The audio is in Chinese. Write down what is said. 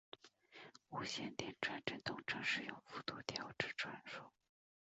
无线电传真通常使用幅度调制传输。